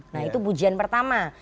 nah itu pujian pertama